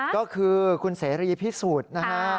ก็คือคุณเสรีพี่สุดนะฮะ